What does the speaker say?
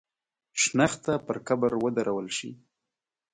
شنخته پر قبر ودرول شي.